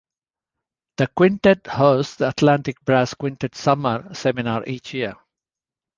The quintet hosts the Atlantic Brass Quintet Summer Seminar each year.